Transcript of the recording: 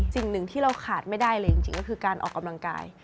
สิ่งหนึ่งที่เราขาดไม่ได้เลยจริงก็คือการออกกำลังกาย